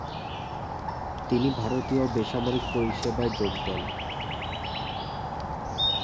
তিনি ভারতীয় বেসামরিক পরিসেবায় যোগ দেন।